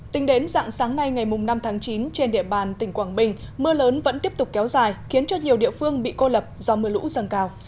tính đến dạng sáng nay ngày năm tháng chín trên địa bàn tỉnh quảng bình mưa lớn vẫn tiếp tục kéo dài khiến cho nhiều địa phương bị cô lập do mưa lũ dần cao